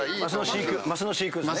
マスの飼育ですね。